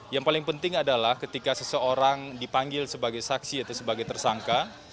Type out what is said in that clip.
yang paling penting adalah ketika seseorang dipanggil sebagai saksi atau sebagai tersangka